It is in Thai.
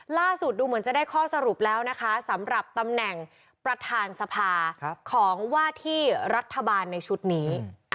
ดูเหมือนจะได้ข้อสรุปแล้วนะคะสำหรับตำแหน่งประธานสภาของว่าที่รัฐบาลในชุดนี้